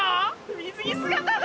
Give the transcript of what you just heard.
水着姿で。